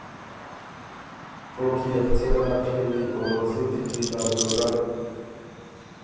کوک کی يې بو څۀ ګه نک ڒوی او زُتی کی ا دیوګډ۔